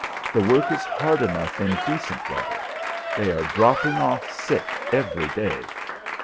The work is hard enough in decent weather; they are dropping off sick every day.